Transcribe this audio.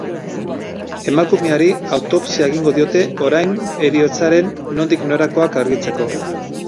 Emakumeari autopsia egingo diote orain heriotzaren nondik norakoak argitzeko.